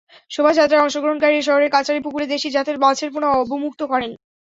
শোভাযাত্রায় অংশগ্রহণকারীরা শহরের কাচারি পুকুরে দেশি জাতের মাছের পোনা অবমুক্ত করেন।